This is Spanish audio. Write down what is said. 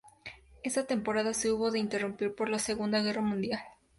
Esa temporada se hubo de interrumpir por la Segunda Guerra Mundial.